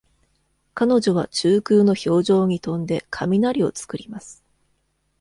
彼女は中空の氷上に飛んで雷を作ります。